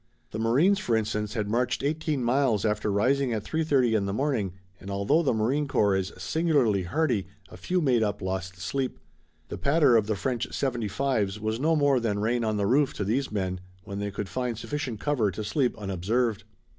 The marines, for instance, had marched eighteen miles after rising at 3:30 in the morning, and although the marine corps is singularly hardy, a few made up lost sleep. The patter of the French seventy fives was no more than rain on the roof to these men when they could find sufficient cover to sleep unobserved.